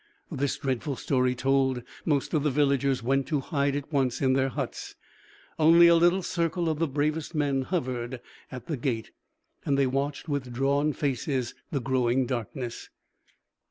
This dreadful story told, most of the villagers went to hide at once in their huts; only a little circle of the bravest men hovered at the gate. They watched with drawn faces the growing darkness.